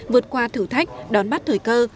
vượt qua thử thách đón bắt thời cơ